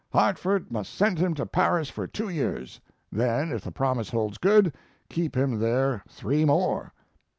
Hartford must send him to Paris for two years; then, if the promise holds good, keep him there three more."